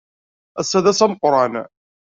Ass-a d ass ameqran.